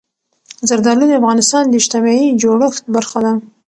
زردالو د افغانستان د اجتماعي جوړښت برخه ده.